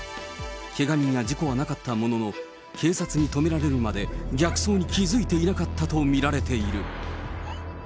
けが人や事故はなかったものの、警察に止められるまで、逆走に気付いていなかったと見られている。